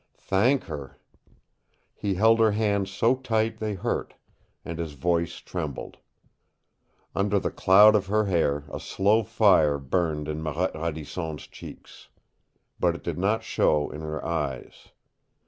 Thank her! He held her hands so tight they hurt, and his voice trembled. Under the cloud of her hair a slow fire burned in Marette Radisson's cheeks. But it did not show in her eyes.